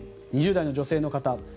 ２０代の女性の方。